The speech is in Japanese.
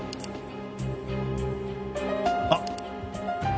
あっ！